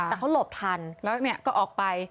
แต่เขาหลบทันแล้วก็ออกไป